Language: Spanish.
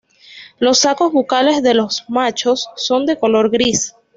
Los sacos bucales de los machos son de color gris.